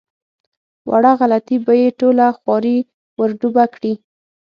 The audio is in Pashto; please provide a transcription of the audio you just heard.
وړه غلطي به یې ټوله خواري ور ډوبه کړي.